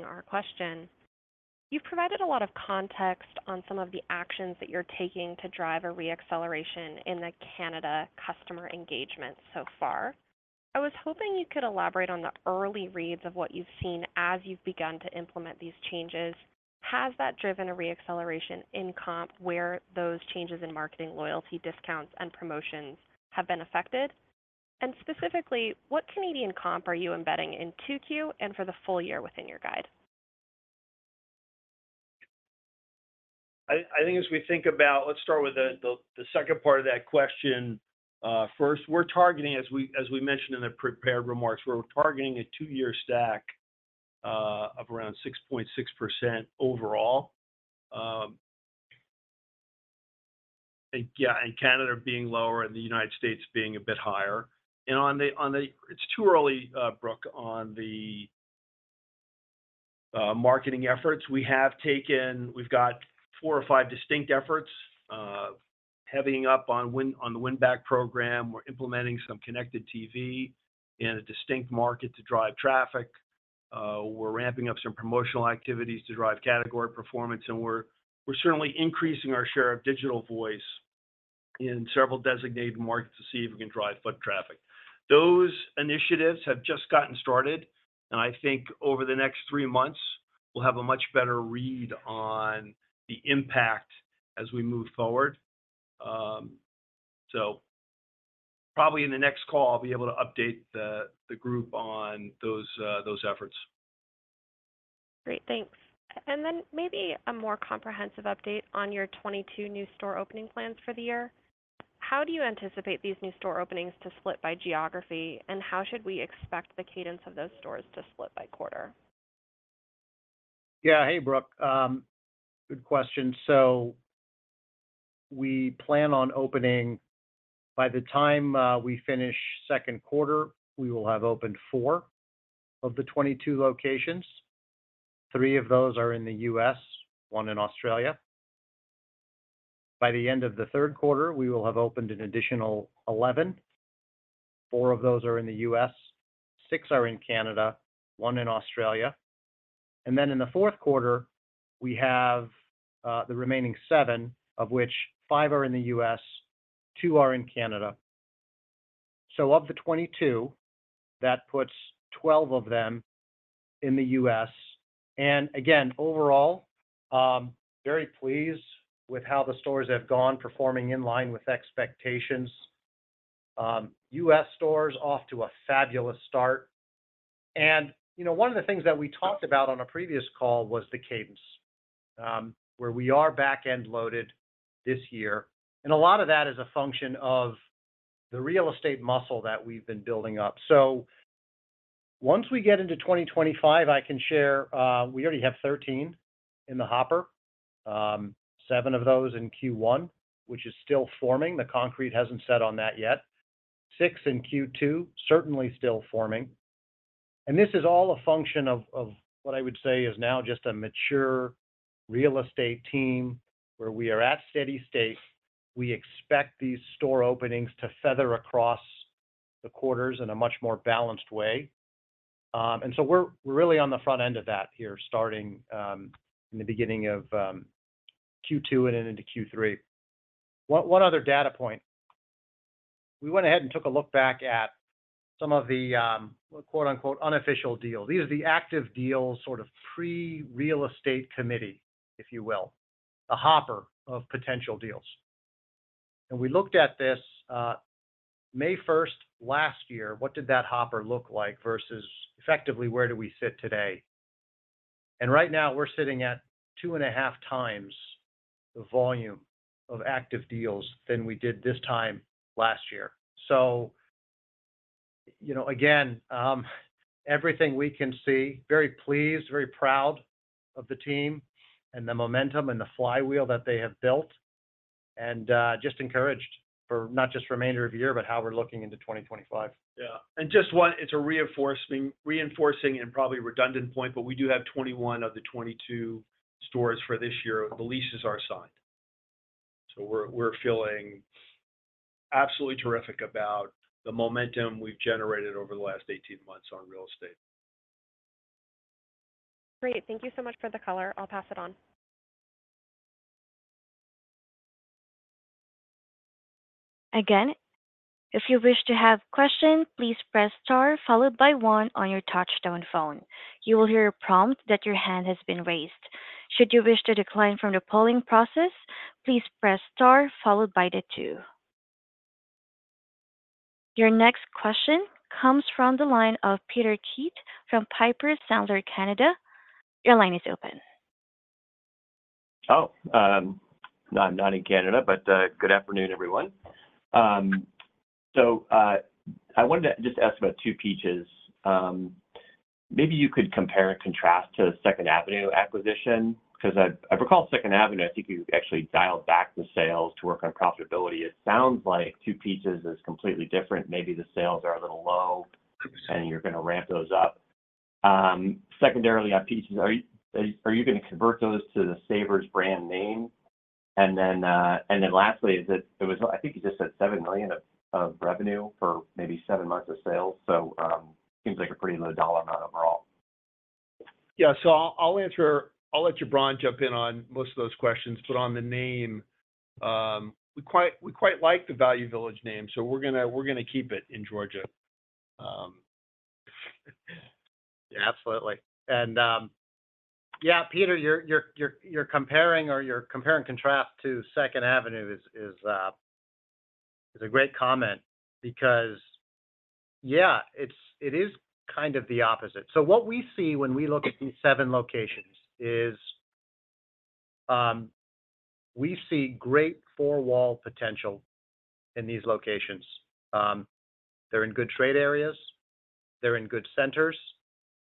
Our question. You've provided a lot of context on some of the actions that you're taking to drive a reacceleration in the Canada customer engagement so far. I was hoping you could elaborate on the early reads of what you've seen as you've begun to implement these changes. Has that driven a reacceleration in comp where those changes in marketing loyalty discounts and promotions have been affected? And specifically, what Canadian comp are you embedding in 2Q and for the full year within your guide? I think, as we think about, let's start with the second part of that question first. As we mentioned in the prepared remarks, we're targeting a two-year stack of around 6.6% overall, yeah, in Canada being lower and the United States being a bit higher. And it's too early, Brooke, on the marketing efforts. We've got four or five distinct efforts heavying up on the WinBack program. We're implementing some connected TV in a distinct market to drive traffic. We're ramping up some promotional activities to drive category performance. And we're certainly increasing our share of digital voice in several designated markets to see if we can drive foot traffic. Those initiatives have just gotten started. And I think over the next three months, we'll have a much better read on the impact as we move forward. So probably in the next call, I'll be able to update the group on those efforts. Great. Thanks. And then maybe a more comprehensive update on your 22 new store opening plans for the year. How do you anticipate these new store openings to split by geography? And how should we expect the cadence of those stores to split by quarter? Yeah. Hey, Brooke. Good question. So we plan on opening by the time we finish second quarter, we will have opened four of the 22 locations. three of those are in the U.S., one in Australia. By the end of the third quarter, we will have opened an additional 11. 4 of those are in the U.S., six are in Canada, 1 in Australia. And then in the fourth quarter, we have the remaining 7, of which 5 are in the U.S., two are in Canada. So of the 22, that puts 12 of them in the U.S. And again, overall, very pleased with how the stores have gone performing in line with expectations. U.S. stores off to a fabulous start. And one of the things that we talked about on a previous call was the cadence where we are back-end loaded this year. A lot of that is a function of the real estate muscle that we've been building up. So once we get into 2025, I can share we already have 13 in the hopper, seven of those in Q1, which is still forming. The concrete hasn't set on that yet. six in Q2, certainly still forming. This is all a function of what I would say is now just a mature real estate team where we are at steady state. We expect these store openings to feather across the quarters in a much more balanced way. So we're really on the front end of that here starting in the beginning of Q2 and then into Q3. One other data point, we went ahead and took a look back at some of the "unofficial deals." These are the active deals sort of pre-real estate committee, if you will, the hopper of potential deals. We looked at this May 1st last year. What did that hopper look like versus effectively where do we sit today? Right now, we're sitting at 2.5 times the volume of active deals than we did this time last year. Again, everything we can see, very pleased, very proud of the team and the momentum and the flywheel that they have built. Just encouraged for not just remainder of year, but how we're looking into 2025. Yeah. And just one, it's a reinforcing and probably redundant point, but we do have 21 of the 22 stores for this year. The leases are signed. So we're feeling absolutely terrific about the momentum we've generated over the last 18 months on real estate. Great. Thank you so much for the color. I'll pass it on. Again, if you wish to have questions, please press star followed by one on your touch-tone phone. You will hear a prompt that your hand has been raised. Should you wish to decline from the polling process, please press star followed by the two. Your next question comes from the line of Peter Keith from Piper Sandler, Canada. Your line is open. Oh. No, I'm not in Canada, but good afternoon, everyone. So I wanted to just ask about 2 Peaches. Maybe you could compare and contrast to Second Avenue acquisition because I recall Second Avenue, I think you actually dialed back the sales to work on profitability. It sounds like two Peaches is completely different. Maybe the sales are a little low and you're going to ramp those up. Secondarily, are you going to convert those to the Savers brand name? And then lastly, I think you just said $7 million of revenue for maybe seven months of sales. So it seems like a pretty low dollar amount overall. Yeah. So I'll let Jubran jump in on most of those questions. But on the name, we quite like the Value Village name. So we're going to keep it in Georgia. Yeah. Absolutely. And yeah, Peter, you're comparing and contrasting to Second Avenue is a great comment because, yeah, it is kind of the opposite. So what we see when we look at these seven locations is we see great four-wall potential in these locations. They're in good trade areas. They're in good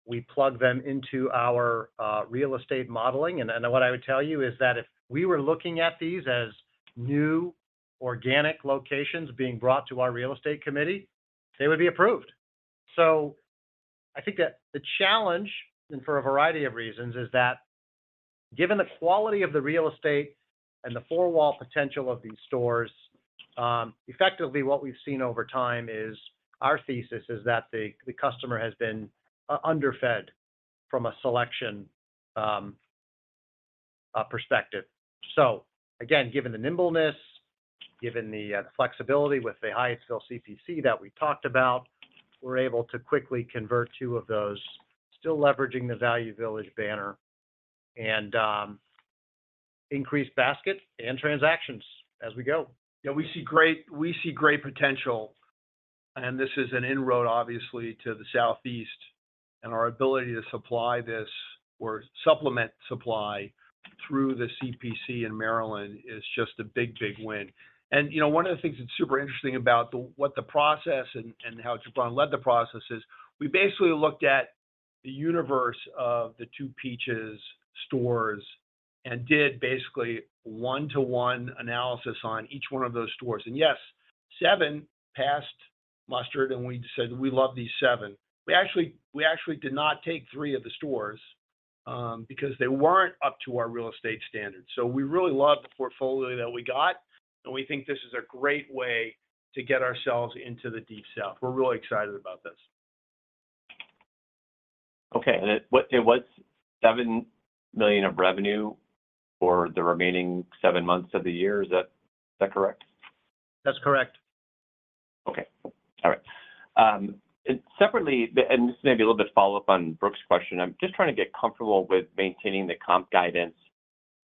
centers. We plug them into our real estate modeling. And what I would tell you is that if we were looking at these as new organic locations being brought to our real estate committee, they would be approved. So I think that the challenge, and for a variety of reasons, is that given the quality of the real estate and the four-wall potential of these stores, effectively what we've seen over time is our thesis is that the customer has been underfed from a selection perspective. So again, given the nimbleness, given the flexibility with the Hyattsville CPC that we talked about, we're able to quickly convert two of those, still leveraging the Value Village banner, and increase basket and transactions as we go. Yah. We see great potential. This is an inroad, obviously, to the Southeast. Our ability to supply this or supplement supply through the CPC in Maryland is just a big, big win. One of the things that's super interesting about what the process and how Jubran led the process is we basically looked at the universe of the two Peaches stores and did basically one-to-one analysis on each one of those stores. Yes, seven passed muster, and we said we love these seven. We actually did not take three of the stores because they weren't up to our real estate standards. We really love the portfolio that we got, and we think this is a great way to get ourselves into the Deep South. We're really excited about this. Okay. It was $7 million of revenue for the remaining seven months of the year. Is that correct? That's correct. Okay. All right. And separately, and this may be a little bit follow-up on Brooke's question, I'm just trying to get comfortable with maintaining the comp guidance.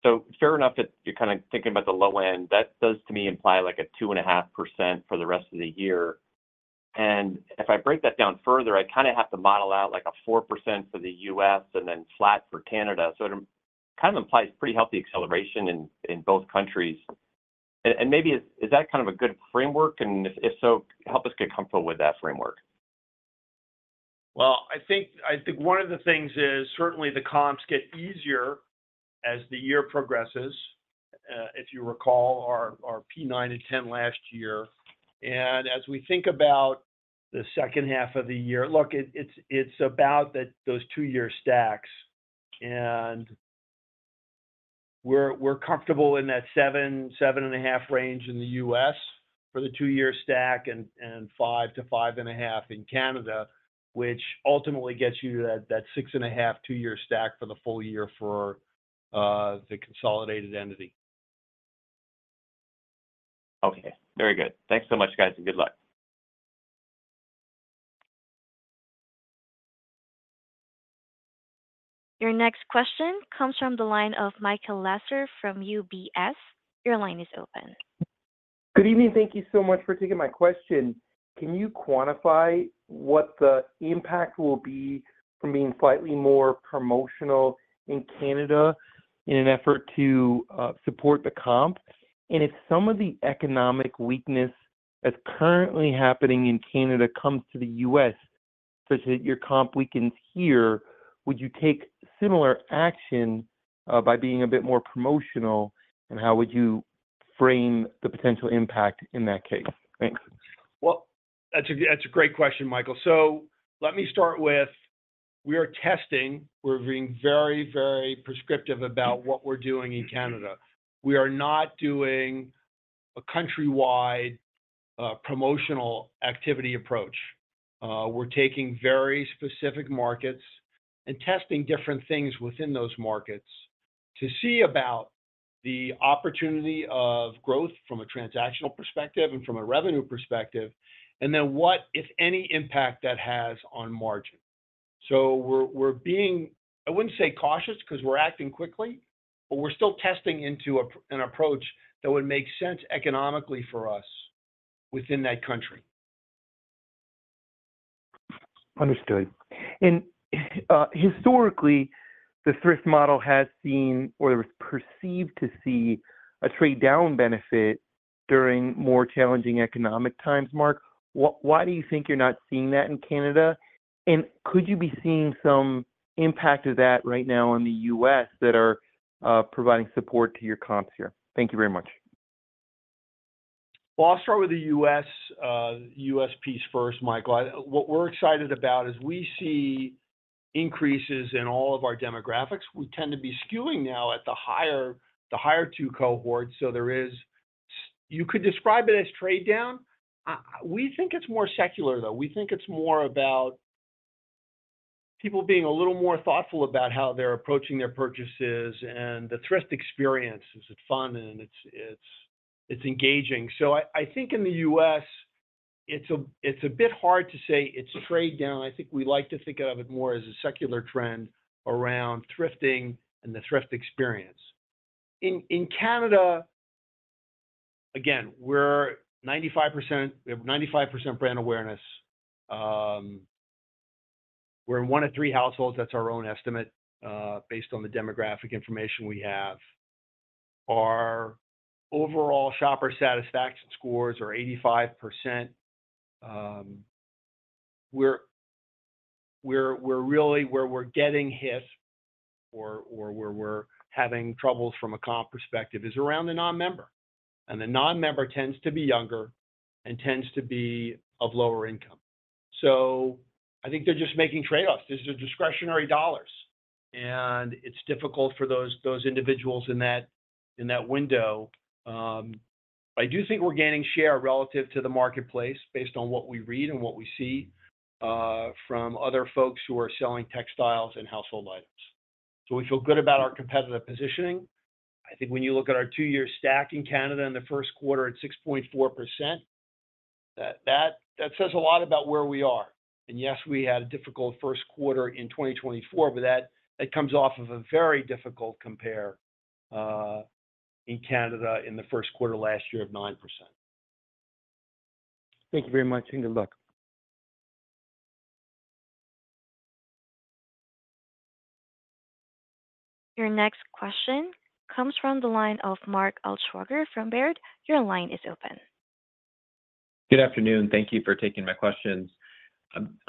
So fair enough that you're kind of thinking about the low end. That does, to me, imply a 2.5% for the rest of the year. And if I break that down further, I kind of have to model out a 4% for the U.S. and then flat for Canada. So it kind of implies pretty healthy acceleration in both countries. And maybe, is that kind of a good framework? And if so, help us get comfortable with that framework. Well, I think one of the things is certainly the comps get easier as the year progresses, if you recall, our P9 and 10 last year. And as we think about the second half of the year, look, it's about those two-year stacks. And we're comfortable in that 7.5 range in the U.S. for the two-year stack and 5-5.5 in Canada, which ultimately gets you to that 6.5 two-year stack for the full year for the consolidated entity. Okay. Very good. Thanks so much, guys, and good luck. Your next question comes from the line of Michael Lasser from UBS. Your line is open. Good evening. Thank you so much for taking my question. Can you quantify what the impact will be from being slightly more promotional in Canada in an effort to support the comp? And if some of the economic weakness that's currently happening in Canada comes to the U.S. such that your comp weakens here, would you take similar action by being a bit more promotional, and how would you frame the potential impact in that case? Thanks. Well, that's a great question, Michael. So let me start with we are testing. We're being very, very prescriptive about what we're doing in Canada. We are not doing a countrywide promotional activity approach. We're taking very specific markets and testing different things within those markets to see about the opportunity of growth from a transactional perspective and from a revenue perspective, and then what, if any, impact that has on margin. So we're being, I wouldn't say cautious because we're acting quickly, but we're still testing into an approach that would make sense economically for us within that country. Understood. And historically, the thrift model has seen, or there was perceived to see, a trade-down benefit during more challenging economic times, Mark. Why do you think you're not seeing that in Canada? And could you be seeing some impact of that right now in the U.S. that are providing support to your comps here? Thank you very much. Well, I'll start with the U.S. piece first, Michael. What we're excited about is we see increases in all of our demographics. We tend to be skewing now at the higher two cohorts. So you could describe it as trade-down. We think it's more secular, though. We think it's more about people being a little more thoughtful about how they're approaching their purchases. And the thrift experience is fun and it's engaging. So I think in the U.S., it's a bit hard to say it's trade-down. I think we like to think of it more as a secular trend around thrifting and the thrift experience. In Canada, again, we're 95% brand awareness. We're in one of three households. That's our own estimate based on the demographic information we have. Our overall shopper satisfaction scores are 85%. We're really where we're getting hit or where we're having troubles from a comp perspective is around the non-member. And the non-member tends to be younger and tends to be of lower income. So I think they're just making trade-offs. These are discretionary dollars, and it's difficult for those individuals in that window. I do think we're gaining share relative to the marketplace based on what we read and what we see from other folks who are selling textiles and household items. So we feel good about our competitive positioning. I think when you look at our two-year stack in Canada in the first quarter, it's 6.4%. That says a lot about where we are. And yes, we had a difficult first quarter in 2024, but that comes off of a very difficult compare in Canada in the first quarter last year of 9%. Thank you very much. Good luck. Your next question comes from the line of Mark Altschwager from Baird. Your line is open. Good afternoon. Thank you for taking my questions.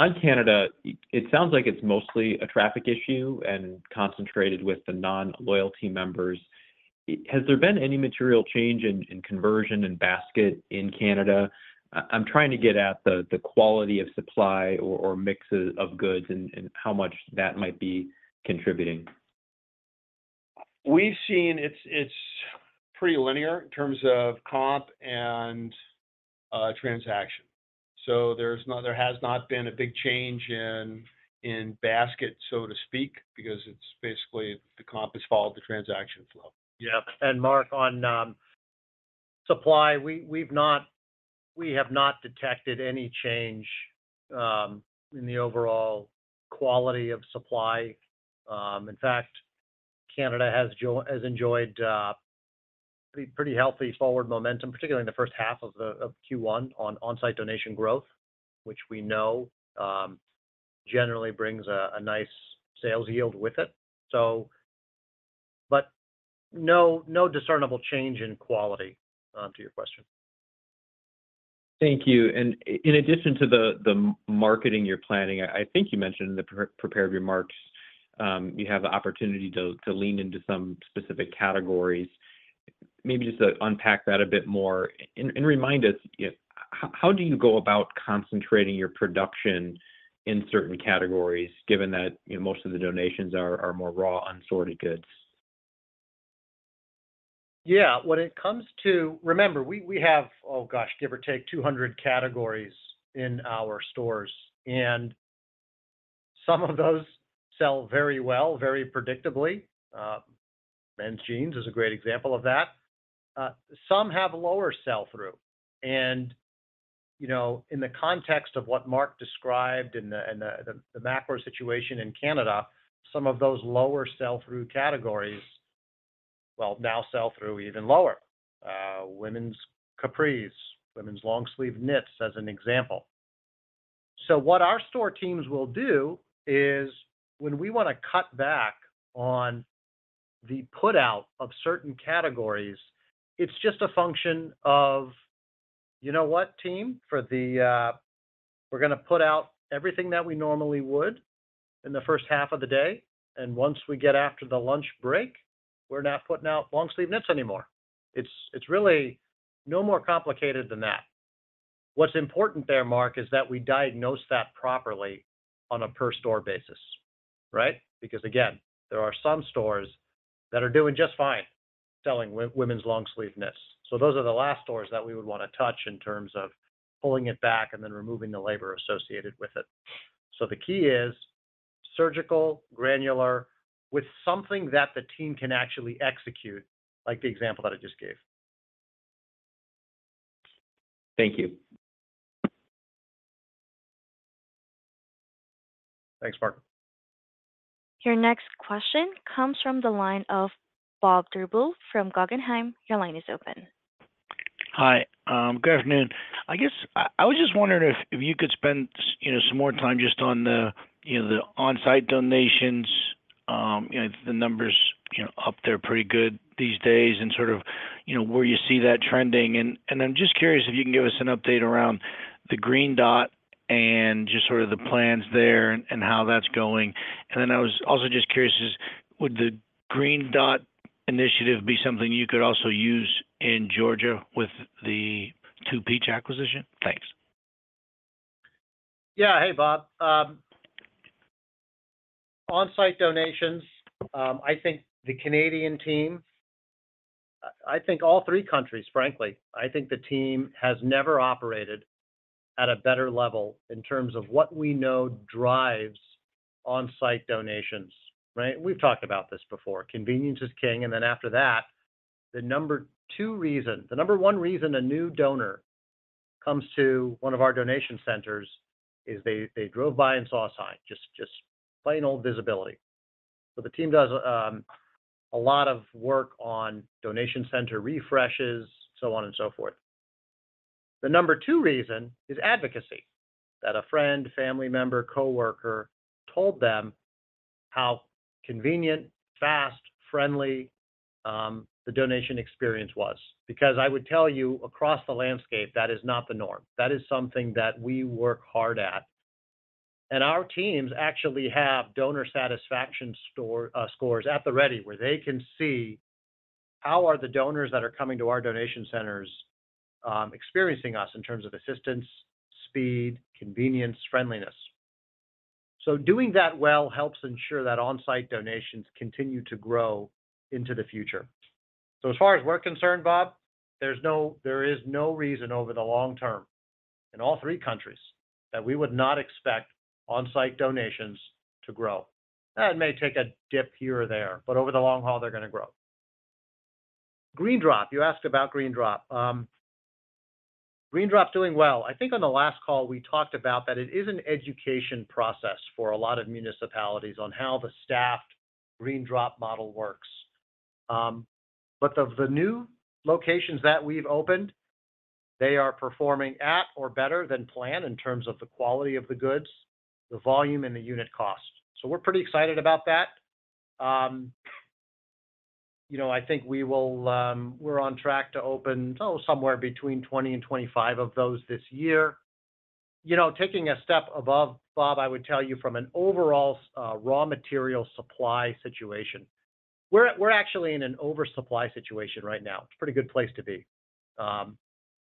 On Canada, it sounds like it's mostly a traffic issue and concentrated with the non-loyalty members. Has there been any material change in conversion and basket in Canada? I'm trying to get at the quality of supply or mixes of goods and how much that might be contributing. We've seen it's pretty linear in terms of comp and transaction. So there has not been a big change in basket, so to speak, because basically the comp has followed the transaction flow. Yeah. Mark, on supply, we have not detected any change in the overall quality of supply. In fact, Canada has enjoyed pretty healthy forward momentum, particularly in the first half of Q1 on on-site donation growth, which we know generally brings a nice sales yield with it. But no discernible change in quality, to your question. Thank you. In addition to the marketing you're planning, I think you mentioned in the prepared remarks you have the opportunity to lean into some specific categories. Maybe just unpack that a bit more and remind us, how do you go about concentrating your production in certain categories, given that most of the donations are more raw, unsorted goods? Yeah. When it comes to, remember, we have, oh gosh, give or take 200 categories in our stores, and some of those sell very well, very predictably. Men's jeans is a great example of that. Some have lower sell-through. In the context of what Mark described and the macro situation in Canada, some of those lower sell-through categories, well, now sell through even lower: women's capris, women's long-sleeve knits, as an example. So what our store teams will do is when we want to cut back on the put-out of certain categories, it's just a function of, "You know what, team? We're going to put out everything that we normally would in the first half of the day. And once we get after the lunch break, we're not putting out long-sleeve knits anymore." It's really no more complicated than that. What's important there, Mark, is that we diagnose that properly on a per-store basis, right? Because again, there are some stores that are doing just fine selling women's long-sleeve knits. So those are the last stores that we would want to touch in terms of pulling it back and then removing the labor associated with it. So the key is surgical, granular, with something that the team can actually execute, like the example that I just gave. Thank you. Thanks, Mark. Your next question comes from the line of Bob Drbul from Guggenheim. Your line is open. Hi. Good afternoon. I guess I was just wondering if you could spend some more time just on the on-site donations. The numbers up there are pretty good these days. And sort of where you see that trending. And I'm just curious if you can give us an update around the GreenDrop and just sort of the plans there and how that's going. And then I was also just curious, would the GreenDrop initiative be something you could also use in Georgia with the 2 Peaches acquisition? Thanks. Yeah. Hey, Bob. On-site donations, I think the Canadian team, I think all three countries, frankly. I think the team has never operated at a better level in terms of what we know drives on-site donations, right? We've talked about this before. Convenience is king. And then after that, the number two reason, the number one reason a new donor comes to one of our donation centers is they drove by and saw a sign, just plain old visibility. So the team does a lot of work on donation center refreshes, so on and so forth. The number two reason is advocacy, that a friend, family member, coworker told them how convenient, fast, friendly the donation experience was. Because I would tell you, across the landscape, that is not the norm. That is something that we work hard at. Our teams actually have donor satisfaction scores at the ready where they can see how the donors that are coming to our donation centers experiencing us in terms of assistance, speed, convenience, friendliness. So doing that well helps ensure that on-site donations continue to grow into the future. So as far as we're concerned, Bob, there is no reason over the long term in all three countries that we would not expect on-site donations to grow. That may take a dip here or there, but over the long haul, they're going to grow. GreenDrop. You asked about GreenDrop. GreenDrop doing well. I think on the last call we talked about that it is an education process for a lot of municipalities on how the staffed GreenDrop model works. But the new locations that we've opened, they are performing at or better than planned in terms of the quality of the goods, the volume, and the unit cost. So we're pretty excited about that. I think we're on track to open, oh, somewhere between 20 and 25 of those this year. Taking a step above, Bob, I would tell you, from an overall raw material supply situation, we're actually in an oversupply situation right now. It's a pretty good place to be.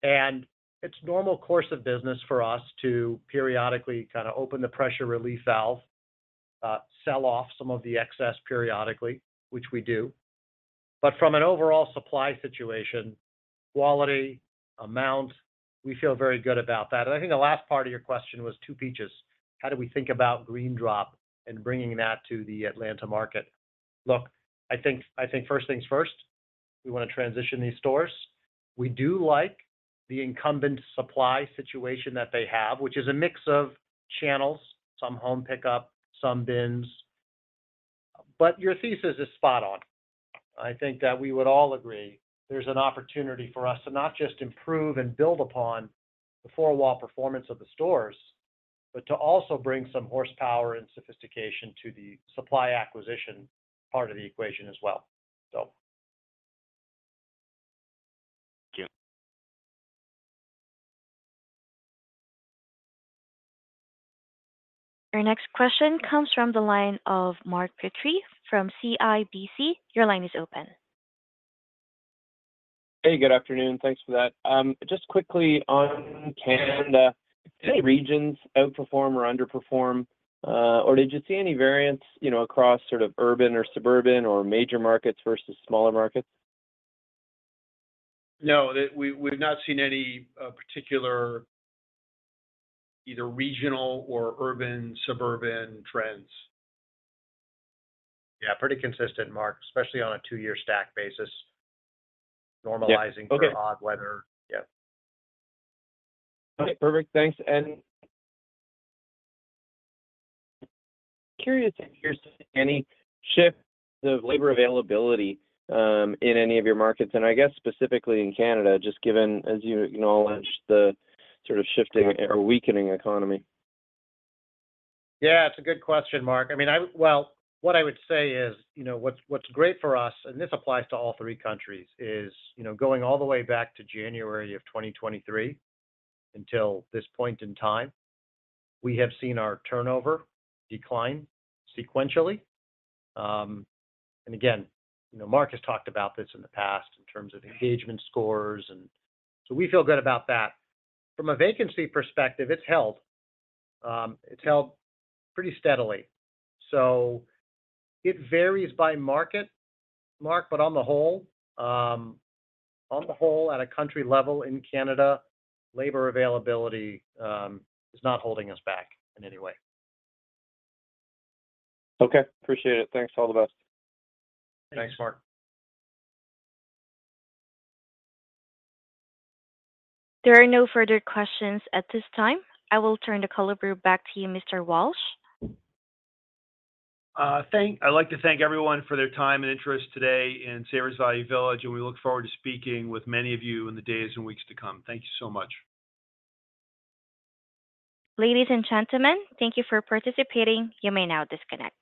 And it's normal course of business for us to periodically kind of open the pressure relief valve, sell off some of the excess periodically, which we do. But from an overall supply situation, quality, amount, we feel very good about that. And I think the last part of your question was 2 Peaches. How do we think about GreenDrop and bringing that to the Atlanta market? Look, I think first things first, we want to transition these stores. We do like the incumbent supply situation that they have, which is a mix of channels: some home pickup, some bins. But your thesis is spot on. I think that we would all agree there's an opportunity for us to not just improve and build upon the four-wall performance of the stores, but to also bring some horsepower and sophistication to the supply acquisition part of the equation as well, so. Thank you. Your next question comes from the line of Mark Petrie from CIBC. Your line is open. Hey. Good afternoon. Thanks for that. Just quickly, on Canada, did any regions outperform or underperform? Or did you see any variance across sort of urban or suburban or major markets versus smaller markets? No. We've not seen any particular either regional or urban-suburban trends. Yeah. Pretty consistent, Mark, especially on a Two-Year Stack basis, normalizing for odd weather. Okay. Perfect. Thanks. And curious if you're seeing any shift in the labor availability in any of your markets? And I guess specifically in Canada, just given, as you acknowledge, the sort of shifting or weakening economy. Yeah. It's a good question, Mark. I mean, well, what I would say is what's great for us, and this applies to all three countries, is going all the way back to January of 2023 until this point in time, we have seen our turnover decline sequentially. And again, Mark has talked about this in the past in terms of engagement scores. And so we feel good about that. From a vacancy perspective, it's held pretty steadily. So it varies by market, Mark. But on the whole, on the whole, at a country level in Canada, labor availability is not holding us back in any way. Okay. Appreciate it. Thanks. All the best. Thanks, Mark. There are no further questions at this time. I will turn the call over back to you, Mr. Walsh. I'd like to thank everyone for their time and interest today in Savers Value Village. We look forward to speaking with many of you in the days and weeks to come. Thank you so much. Ladies and gentlemen, thank you for participating. You may now disconnect.